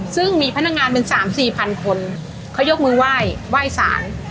ซึ่งมีพนักงานเป็น๓๔พันคนเขายกมือไหว้ไหว้สาร